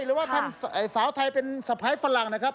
หรือว่าทำสาวไทยเป็นสะพ้ายฝรั่งนะครับ